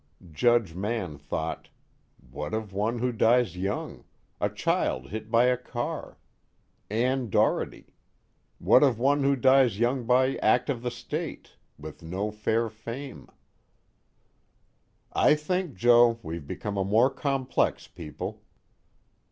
'" Judge Mann thought: What of one who dies young? a child hit by a car? Ann Doherty? What of one who dies young by act of the State, with no fair fame? "I think, Joe, we've become a more complex people."